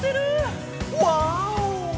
ワオ！